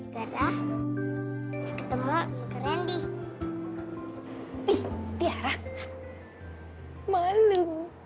gara kita ketemu yang keren nih